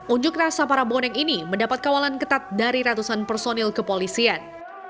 unjuk rasa para bonek ini mendapat kawalan ketat dari ratusan personil kepolisian